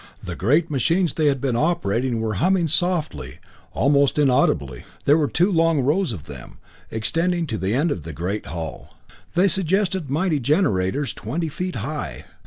The great machines they had been operating were humming softly, almost inaudibly. There were two long rows of them, extending to the end of the great hall. They suggested mighty generators twenty feet high.